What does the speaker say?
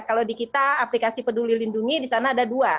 kalau di kita aplikasi peduli lindungi di sana ada dua